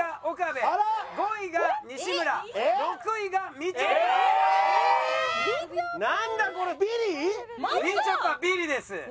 みちょぱビリです。